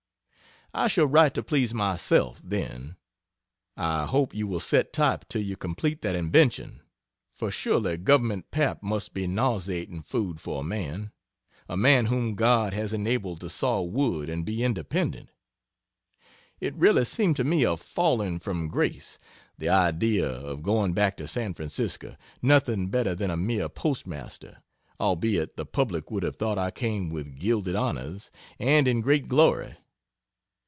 I shall write to please myself, then. I hope you will set type till you complete that invention, for surely government pap must be nauseating food for a man a man whom God has enabled to saw wood and be independent. It really seemed to me a falling from grace, the idea of going back to San Francisco nothing better than a mere postmaster, albeit the public would have thought I came with gilded honors, and in great glory.